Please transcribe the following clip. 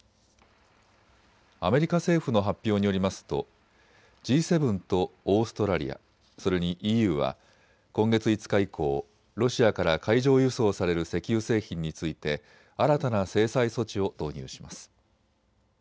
アメリカ政府の発表によりますとＧ７とオーストラリア、それにＥＵは今月５日以降、ロシアから海上輸送される石油製品について新たな制裁措置を導入します。